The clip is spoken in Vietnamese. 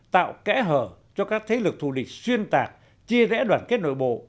tạo kẽ hở cho các thế lực thù địch xuyên tạc chia rẽ đoàn kết nội bộ